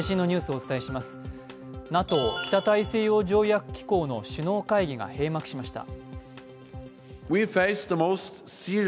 ＮＡＴＯ＝北大西洋条約機構の首脳会議が閉幕しました。